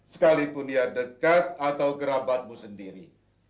sekalipun dia dekat atau kerabatmu sendiri